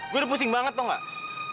gue udah pusing banget tau nggak